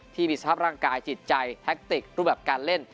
ที่มีสภาพร่างกายจิตใจแท็กติกรูปแบบการเล่น